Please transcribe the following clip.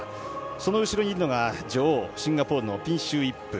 その後ろにいるのが女王、シンガポールのピンシュー・イップ。